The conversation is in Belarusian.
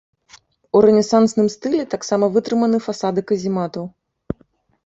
У рэнесансным стылі таксама вытрыманы фасады казематаў.